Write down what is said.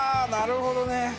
なるほどね。